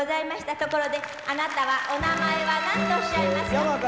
ところであなたはお名前は何とおっしゃいますか？